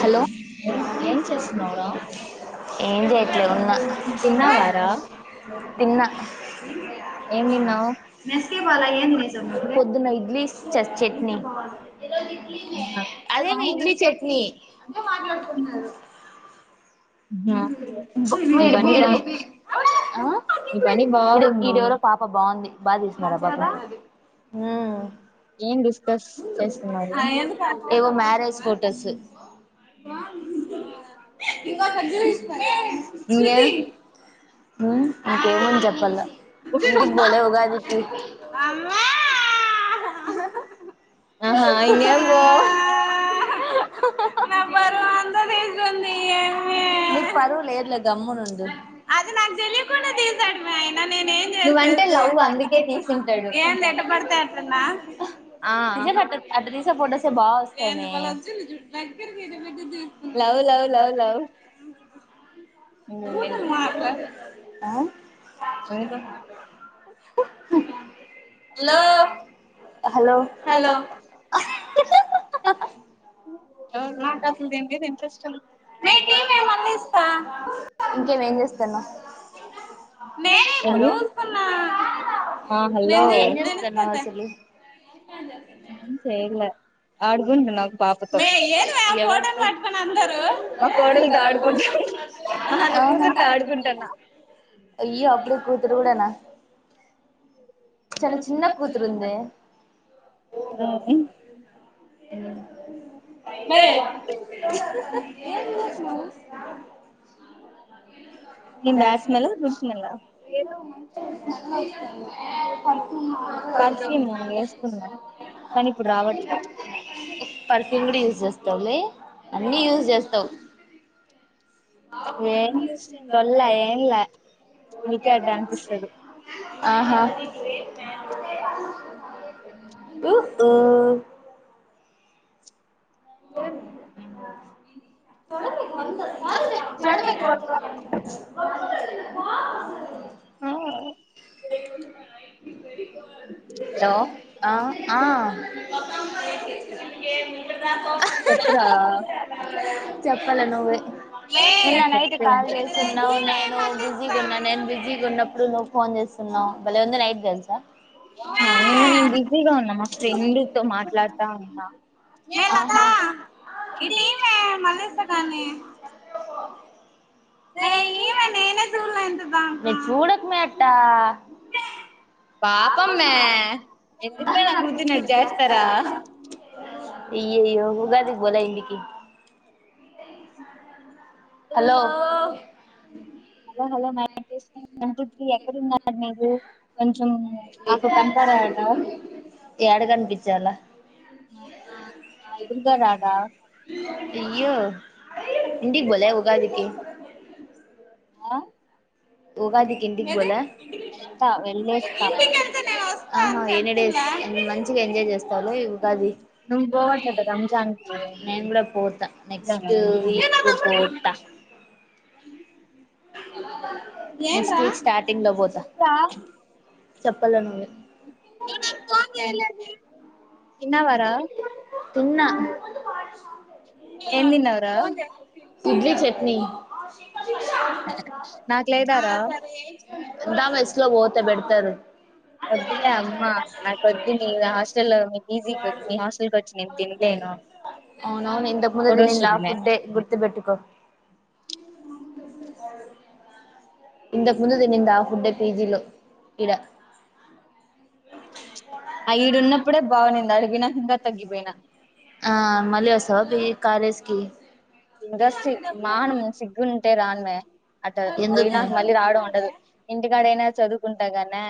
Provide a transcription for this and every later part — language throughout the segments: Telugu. హలో ఏం చేస్తున్నారు ఏం చేయట్లేదు ఉన్నా తిన్నావారా తిన్నా ఏం తిన్నావ్ పొద్దున్న ఇడ్లీ చ చట్నీ [unintelligible] మిస్ అయింది అట్లే మాట్లాడుకుంటనారు మ ఈడ ఇవన్నీ ఈడ పా ఆ ఇ ఇడెవరో పాప బాగుంది బాతీసినారు ఆ పాప ని మ్మ్ ఏం డిస్కస్ చేస్తున్నారు ఏవో మ్యారేజ్ ఫొటోస్ ఇంగే మ్మ్ నాకేమని చెప్పల్ల ఇంటికి పోల ఉగాది కి ఆహా ఇంగేం పో నా బరువు అంతా తీసుకుంది ఏమి నీకు పరువు లేదులే గమ్మునుండు [unintelligible] నువ్వంటే లవ్ అందుకే తీసుంటడు తీసింటాడు ఆ నిజంగ అట్ట తీసే ఫోటోస్ తీస్తే బాగొస్తాయి లవ్ లవ్ లవ్ లవ్ మే ఆ ఎందుకు హలో హలో హలో ఎవరు మాట్లాడకుంటే ఏంటి ఇంట్రెస్ట్ ఇంకేం ఏం చేస్తన్నావ్ ఉంది హలో ఆ హలో ఏం చేస్తున్నావ్ అసలు ఏం చేయలే ఆడుకుంటన్న ఒక పాపతో మే ఏనుమే ఆ ఫోటోను పట్టుకొని అందరూ మా కోడలు తో ఆడుకుంటు అహ నా కూతురు అవునా తో ఆడుకుంటు టన్న అయ్యో అప్పుడే కూతురు కూడనా చాలా చిన్న కూతురుందే మ్మ్ మే ఏం బ్యాడ్ స్మెల్లా గుడ్ స్మెల్లా పర్ఫ్యూమ్ పర్ఫ్యూమ్ వేసుకున్నా కానీ ఇప్పుడు రావట్లే పర్ ఫ్యూమ్ కూడ యూజ చేస్తావులే అన్ని యూస్ చేస్తవు ఏం చేస్తేం డొల్ల ఏం ల ఆహా ఉ ఊ కిరన్ ఆ ఆ ఆ [unintelligible] చెప్పురా చెప్పాలి నువ్వే నిన్న నైట్ చెప్పు కాల్ చేసింది నేను బిజీ ఉన్నా నేను బిజీ ఉన్న ఇప్పుడు నువ్వు ఫోన్ చేస్తున్నావు భళ్లే ఉంది నైట్ తెలుసా నిన్న నేను బిజీగా ఉన్నా మా ఫ్రెండ్తో మాట్లాడుతా ఉన్నా [unintelligible] [unintelligible] [unintelligible] [unintelligible] పాపమ్మే ఎందుకుమే నా కూతుర్నట్టు చేస్తారా ఇ ఇ ఉగాది పోలే ఇంటికి హలో హలో హలో ఎక్కడన్నారు మీరు ఇంట్లో ఉన్న అప్పుడు కంసారటా ఏడ కనిపిచ్చల్ల ఎదురుగారాడా అయ్యో ఇంటికి పోలే ఉగాదికి అ ఉగాదికి ఇంటికి పోలే వెళ్తా వెళ్ళేస్తా ఆహా ఎన్ని డేస్ మంచిగా ఎంజాయ్ చేస్తావులే ఈ ఉగాది నువ్వు పోవట్లేదా రంజాన్ కి నేను కూడా కూడా పోతా నెక్స్ట్ వీక్ పోతా [inaudible] నెక్స్ట్ వీక్ స్టార్టింగ్ లో పోత చెప్తా చెప్పల్ల నువ్వే [unintelligible] తిన్నావారా తున్నా ఏం తిన్నావు రా ఇడ్లీ చట్నీ నాకు లేదా రా మెస్ లో పోతే దా పెడతారు వద్దులే అమ్మా నాకు కద్దని హాస్టెల్ పీజి వద్ హాస్టెల్ కొచ్చి అవునవును ఇంతక ముందు తినింది ఆ ఫోటోషూట్ ఫుడ్డే గుర్తుబెట్టుకో ఉనా ఇంతకుముందు తినింది ఆ ఫుడ్డే పీజీలో ఇడ ఆ ఈడు ఉన్నప్పుడే బాగునింది అడిగికి పోయినాంక ఇంకా తగ్గిపోయినా ఆ మళ్లీ వస్తావా పీజీ కాలేజ్ కి ఇంకా సి మానం సిగ్గుంటే రాను మే అట్ పోయి ఎందుకు మే నాకు మళ్ళీ రావడం ఉండదు ఇంటికాడయినా చదువుకుంటా గనే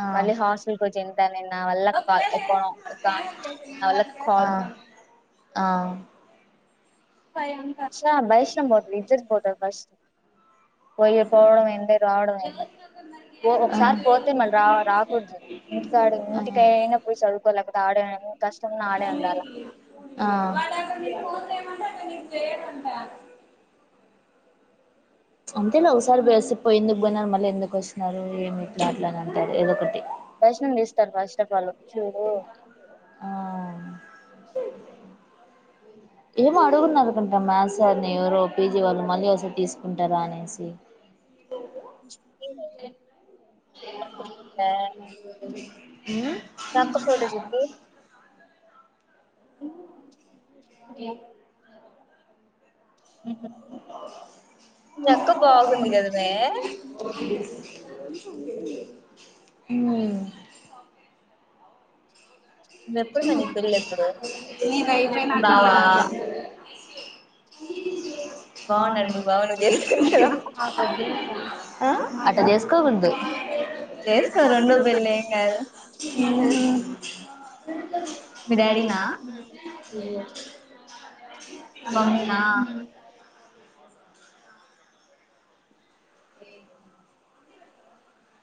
ఆ మళ్ళీ హాస్టల్ కొచ్చేంత నేను నావల్ల కా ఒక ఒక నావల్ల ఆ కాదు [inaudible] ఆ చాన్ బయేషాన్ పోతది ఇజ్జత్ పోతది ఫస్ట్ [inaudible] పోయి పోవడం ఏంది రావడం ఏంది ఆ ఒకసారి పోతే మళ్ళీ రా రాకూడదు తాడు ఇంటికే అయినా పోయి చదువుకోలేక కదా ఆడ కష్టంలో ఆడే ఉండాల ఆ వాళ ఫోన్ చేయమంటే అ నేను చేయానంటా అంతేలా ఒకసారి బసి పోయి ఎందుకు పోయినారు మళ్ళీ ఎందుకు వస్తున్నారు ఏమి ఎట్లా అట్లా అంటారు ఏదో ఒకటి దర్శనం తీస్తారు ఫస్ట్ ఆఫ్ ఆల్ చూడు ఆ చెప్పు ఏమో అడుగున్నరు అనుకుంటా మ్యాథ్ సార్ని ఎవరో పీజీ వాళ్ళు మళ్ళీ వస్తే తీసుకుంటారా అనేసి [inaudible] నా అక్క ఫోటో చూపి ఉ [inaudible] మీ అక్క బాగుంది కదనే ఉ ఎప్పుడుమే నీ పెళ్లి ఎప్పుడు నీది మీ అయిపోయినాక బావా రావా [unintelligible] బాగున్నాడు బాగు మీ బావ నువ్వు చేసుకోవాలి కదా ఆట చేసుకోకుందు చేసుకో రెండో వేస్తస్తారంద పెళ్లి బన్న ఏం కాదు మీ డాడీనా నా మీ మమ్మీనా ఇ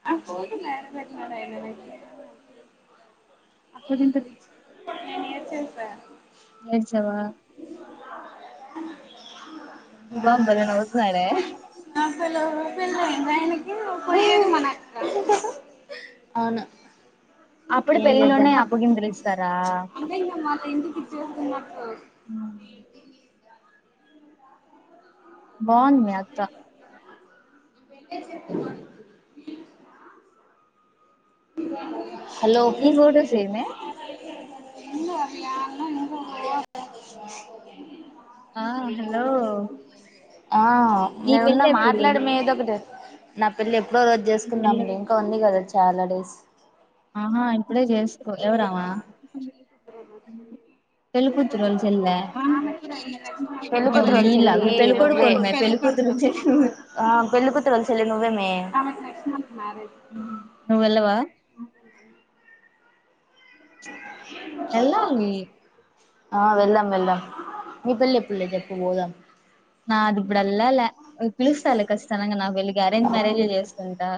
ఆ పోతుంద పె అ అప్పుంత నను నర్చే సార్ ఏడ్చావా మీ బావ బజ భలే నవ్వుతున్నాడే ప ప్ర మన అవును అప్పుడు అప్పుడే పెళ్ పెళ్లిలోనే అ అప్పగింతలు ఇస్తారా న్న బాగుందింది అత్త చె హలో నీ ఫొటోస్ ఏమే ఇంకా ఆ హలో ఆ నీ నేనున్న పెళ్లి ఎప్పుడు మాట్లాడ మీ నీ ఏదో ఒకటి నా పెళ్లి జ చేసుకుందాం పెళ్లి ఇంకా ఉంది కదా చాలా డేస్ ఆహా ఇప్పుడే చేసుకో ఎవరమా చెల్లె ప్రదర్శన వెళ్లికుత్రరుం వీళ్ళ మీ చెల్లి పెళ్ళికొడుకోళ్ళు మే పెళ్ళికూతురు పెళ్ళపుతులు ను మజ్ వెళ్ నువ్వు వెళ్ళవా వెళ్ళాలి ఆ వెళ్ళం వెళ్లాం మీ పిల్ల పిల్ల చెప్పు పోదాం నా అది బడల్ల చేసుకుంటా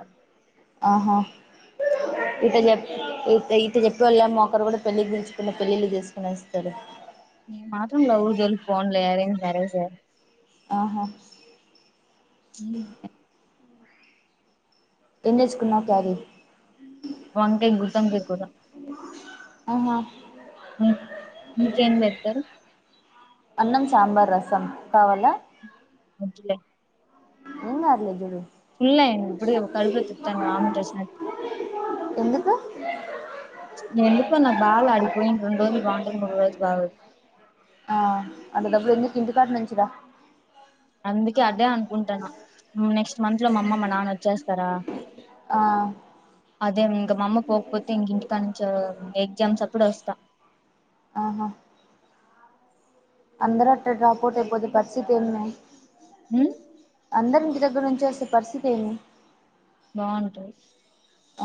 అ మహా ఇత చెప్ ఇత చెప్పే వాళ్ళ ఏమోొ ఒకరు కూడా పెళ్ళి దచుకున్న పెళ్ళిళ్ళు చేసుకుని ఇస్తాారు నేను మాత్రం లవ్ జోలికి పోనులే అరేంజ్ మ్యారేజే ఆహా ఇ ఎె చకున్నా క్యార వంకాయ గుత్తి వంకాయ కూర ఆహా మీకేం పెళ్తారు అన్నం సాంబార్ రసం పవాల అంటలే ఇంగ్ార్లే జడు అయ్యింది ఇప్పుడే కడుపులో తిప్పుతాంది వామిట్ వచ్చినట్టు ఎందుకు ఎందుకో నాకు బాలే ఆడికి పోయిన రెండు రోజులు బాగుంటది మూడు రోజులు బాగోదు ఆ అంటే డబ్బులు ఎన్ని కింటికాటు నుంచిదా అందుకే అదే అన్ ాను నెక్స్ట్ మంత్ లో మా అమ్మమ్ మా నాన్న వచ్చేస్తారా ఆ అదే ఇంక మామ్మ పోకపోతే ఇంక ఇంటికా నుంచ ఎగ్జామ్స్ అప్పుడ వస్తా ఆహా అందరాట డప్ట్ ఎతే పరిసి తనున్నా ఉమ్ అందరి ఇ గురుంచి పరిస్థితి ఏ మీ బాగుంటాయి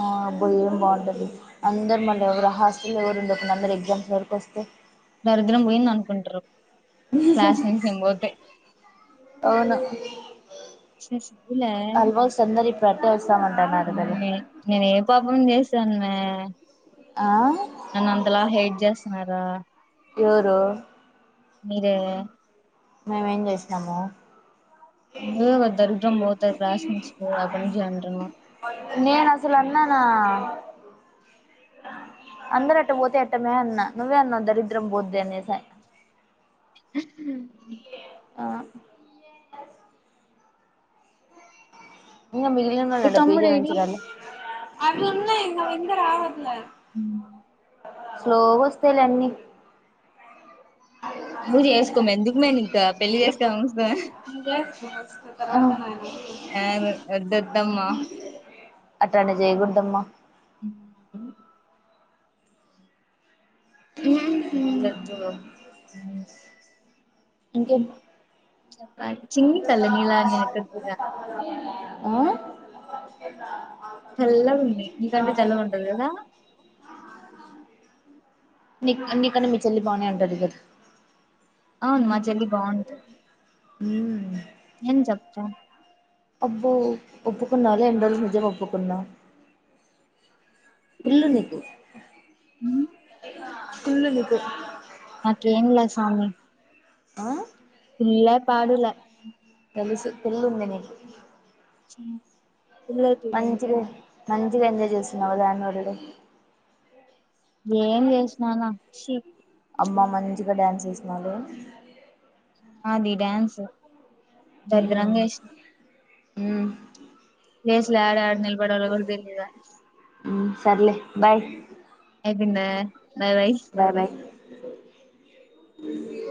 ఆబ్ బయం బాగుంట అందరరు మళ్ళీ ఎవరు హాస్టల్ ఎవరు ఉండ ఒకడా అందరు ఎగ్జామ్పుల్ వరకు వస్తే దరిద్రం పోయింది అనుకుంటారు క్లాస్ నుంచి నేను పోతే అవు నాకు ఛీ సిగ్గులే అల్వా సందరి ప్ర అట్టే వసామంటాన్నారుద నేను ఏ పాపం చేసాను ఆ చేస్తున్నారా ఎవరు మీరే మేమేం చేసినాము ఏ దరిద్రం పోత క్లాస్మట్స్ పోవ అడు జయంట నేను అసలు అన్నా నా అందరు అట్ట పోతే ఎట్టమే అన్నా నువ్వే అన్నావ్ దరిద్రం పోద్ది అన్నేసి అ ఇంగ మీ మిగిలిందంట పి జీ తమ్ముడేడి అనుసరాలు అదిన్నాయ్ నావింగ రావట్లే మ్ స్లో గోస్తేయ్ లే అన్ని నువ్వు చేసుకో మే ఎందుకు మే నీకు పెళ్లి అ చేసుకోవాలనిపిస్తే నువ్వు చేసుకో అ ఆ చెత్త వద్దద్దమ్మా అటాంటివి జైకుడదమ్మ మ్ ఇంకేం ఇంకేంటి ఆ కూడా చల్లగా ఉంది నీకంటే చల్లగా చల్లగుంది ఉంటది కదా నిక్ నీకన్న మీ చెల్లి బానే ఉంటది కదా అవును మా చెల్లి బావుంటు ఊ మ్ ఏం జెప్తా అబ్బో ఒప్పుకున్నావ్ లే ఎండ్రోజులకి నిజం ఒప్పుకున్నావ్ కుళ్ళునికు నాకెమ్లా సామి ఆ ఇల్లా పాడులే తెలిసు కుళ్ళుంది నికి పిల్లలకి మంచిగా ఎంజాయ్ చేస్తున్నావ్ కదా అన్యూల్ డే ఏం చేసినానా ఛీ అమ్మ మంచిగా డాన్స్ ఎసి న లో అది డ్యాన్స్ దరిద్రంగా ఎస్ ఉమ్ లో యాడ యాడ నిలబడాలో కూడా తెలీదు ఉమ్ సర్లే బాయ్ అయిపోయిందా బాయ్ బాయ్ బాబాయ్